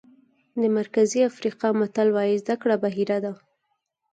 د مرکزي افریقا متل وایي زده کړه بحیره ده.